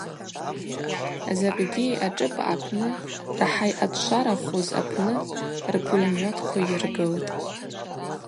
Закӏгьи ашӏыпӏа апны рахӏа йъатшварахуз апны рпулеметква йыргылтӏ.